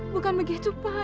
bukan begitu pak